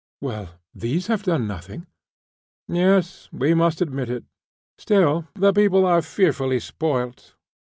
"Well, these have done nothing." "Yes, we must admit it. Still, the people are fearfully spoilt.